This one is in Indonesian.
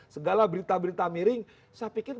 segala berita berita miring saya pikir